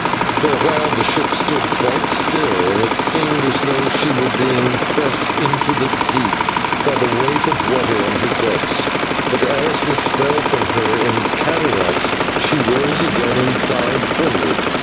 For a while the ship stood quite still, and it seemed as though she were being pressed into the deep by the weight of water on her decks, but as this fell from her in cataracts, she rose again and ploughed forward.